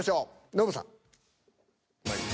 ノブさん。